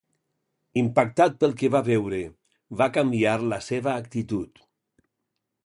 Impactat pel que va veure, va canviar la seva actitud.